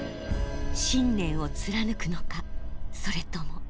信念を貫くのかそれとも。